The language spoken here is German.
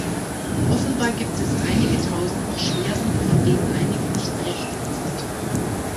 Offenbar gibt es einige Tausend Beschwerden, von denen einige nicht berechtigt sind.